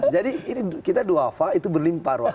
jadi kita duafa itu berlimpah ruang